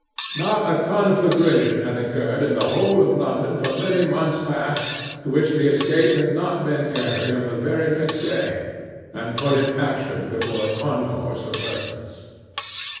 Not a conflagration had occurred in the whole of London for many months past to which the escape had not been carried on the very next day, and put in action before a concourse of persons.